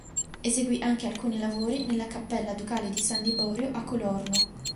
Eseguì anche alcuni lavori nella Cappella Ducale di San Liborio a Colorno.